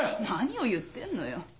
何を言ってんのよ。